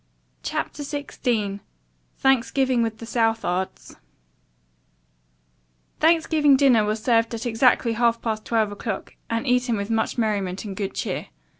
CHAPTER XVI THANKSGIVING WITH THE SOUTHARDS Thanksgiving dinner was served at exactly half past twelve o'clock, and eaten with much merriment and good cheer.